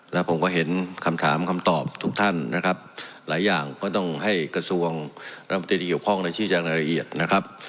แล้วผมก็เห็นคำถามคำตอบทุกท่านนะครับหลายอย่างก็ต้องให้กระทรวงรัฐมนตรีที่เกี่ยวข้องในชี้แจงรายละเอียดนะครับ